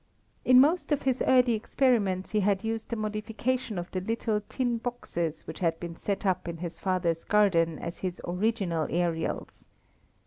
In most of his early experiments he had used a modification of the little tin boxes which had been set up in his father's garden as his original aerials.